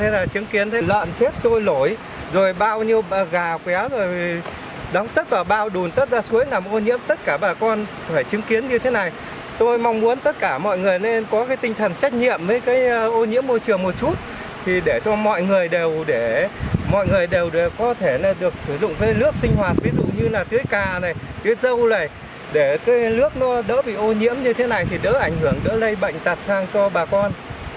dùng cây nước sinh hoạt ví dụ như là tưới cà này tưới râu này để cây nước nó đỡ bị ô nhiễm như thế này thì đỡ ảnh hưởng đỡ lây bệnh tạp trang cho bà con